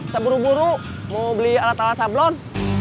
seburu buru mau beli alat alat sablon